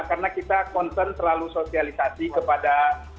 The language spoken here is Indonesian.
karena kita concern terlalu sosialisasi kepada